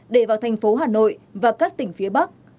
để vào thành phố hà nội và các tỉnh phía bắc